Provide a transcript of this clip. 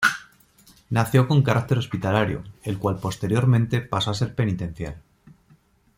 Nació con carácter Hospitalario, el cual posteriormente pasó a ser penitencial.